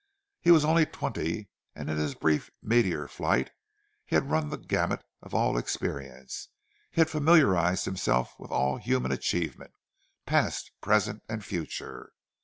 He was only twenty, and in his brief meteor flight he had run the gamut of all experience; he had familiarized himself with all human achievement—past, present, and future.